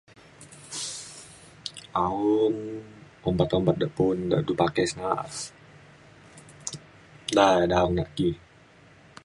Aung ubat ubat da pu'un du pakai sa' naa. Da eda aung naki